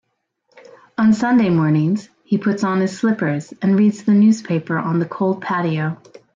On Sunday mornings, he puts on his slippers and reads the newspaper on the cold patio.